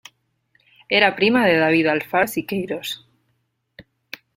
Era prima de David Alfaro Siqueiros.